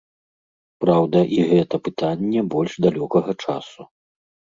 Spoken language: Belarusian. Праўда, і гэта пытанне больш далёкага часу.